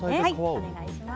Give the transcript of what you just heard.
お願いします。